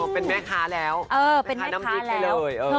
เป็นแม่ค้าแล้วเออเป็นแม่ค้าน้ำพริกให้เลยเออ